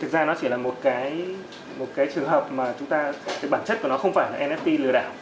thực ra nó chỉ là một cái trường hợp mà chúng ta cái bản chất của nó không phải là nfp lừa đảo